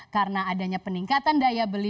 karena adanya peningkatan daya beli